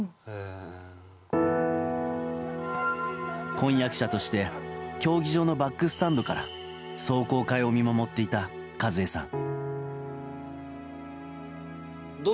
婚約者として競技場のバックスタンドから壮行会を見守っていた一枝さん。